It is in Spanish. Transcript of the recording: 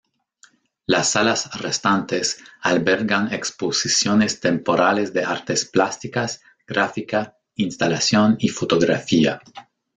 Las salas restantes albergan exposiciones temporales de artes plásticas, gráfica, instalación y fotografía.